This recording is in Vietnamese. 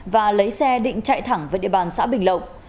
và lấy xe định chạy thẳng với địa bàn xã bình lộc